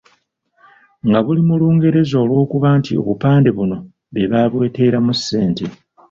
Nga buli mu Lungereza olw'okuba nti obupande buno be babweteeramu ssente.